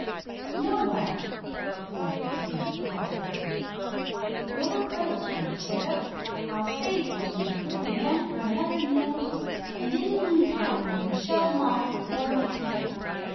"Nobody," declared the kinglet, positively. "You're right, my Cherub; I'll save the gingerbread man for another meal, and in the meantime I can show him off before my people.